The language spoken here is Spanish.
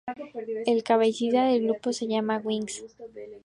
El cabecilla del grupo se llama Wiggins.